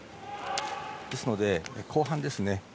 ですので、後半ですね。